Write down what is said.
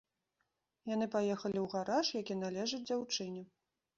Яны паехалі ў гараж, які належыць дзяўчыне.